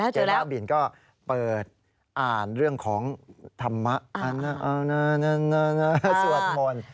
เจ๊บ้าบินก็เปิดอ่านเรื่องของธรรมะสวดมนต์